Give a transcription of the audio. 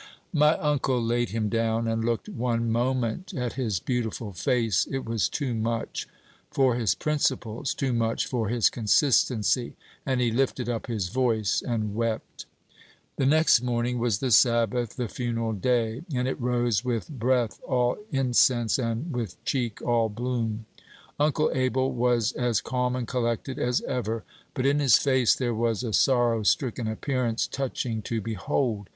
My uncle laid him down, and looked one moment at his beautiful face. It was too much for his principles, too much for his consistency, and "he lifted up his voice and wept." The next morning was the Sabbath the funeral day and it rose with "breath all incense and with cheek all bloom." Uncle Abel was as calm and collected as ever; but in his face there was a sorrow stricken appearance touching to behold.